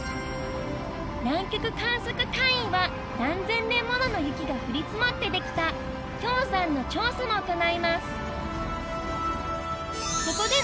南極観測隊員は何千年もの雪が降り積もってできた氷山の調査も行います